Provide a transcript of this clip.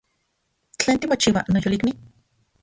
¿Tlen timochiua, noyolikni?